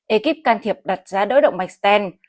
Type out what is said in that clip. ekip can thiệp đặt ra đỡ động mạch stent